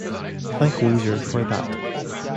Thank Weezer for that.